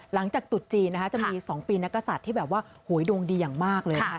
หลังจากตุ๊ดจีนจะมี๒ปีนักศัตริย์ที่ดวงดีอย่างมากเลย